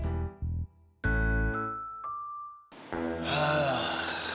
kan lo baik baik kok